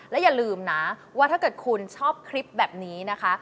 และอย่าลืมนะว่าถ้าเกิดคุณชอบคลิปแบบนี้นะคะ